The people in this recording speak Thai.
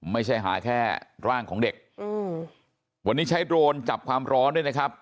ไม่ใช่หาแค่ร่างของเด็กอืมวันนี้ใช้โดรนจับความร้อนด้วยนะครับ